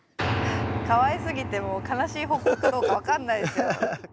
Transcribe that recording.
かわいすぎてもう悲しい報告かどうか分かんないですよ。